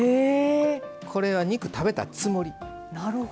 これは肉食べたつもり。